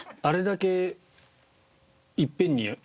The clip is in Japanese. あれだけ一遍に。